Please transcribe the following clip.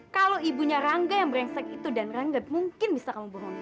kalau ibunya rangga yang brengsek itu dan rangga mungkin bisa kamu bohongi